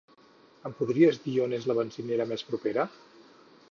Em podries dir on és la benzinera més propera?